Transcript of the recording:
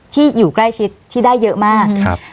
ที่อยู่ใกล้ชิดที่ได้เยอะมาก